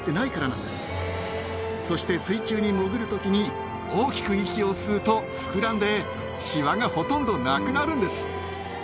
そして水中に潜る時に大きく息を吸うと膨らんでシワがほとんどなくなるんです。